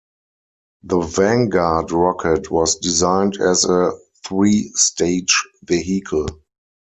The Vanguard rocket was designed as a three-stage vehicle.